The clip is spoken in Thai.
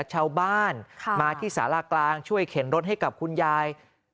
ชาวบ้านมาที่สารากลางช่วยเข็นรถให้กับคุณยาย